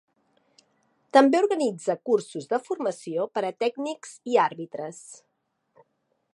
També organitza cursos de formació per a tècnics i àrbitres.